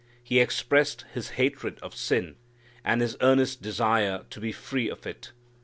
He expressed his hatred of sin and his earnest desire to be free of it.